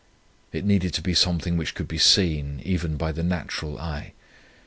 It needed to be something which could be seen, even by the natural eye.